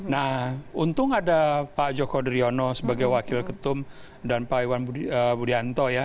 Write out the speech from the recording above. nah untung ada pak joko driono sebagai wakil ketum dan pak iwan budianto ya